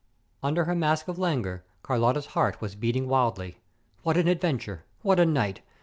Under her mask of languor, Carlotta's heart was beating wildly. What an adventure! What a night!